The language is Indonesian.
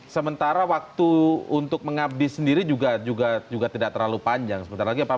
sementara waktu untuk mengabdi sendiri juga tidak terlalu panjang sebenarnya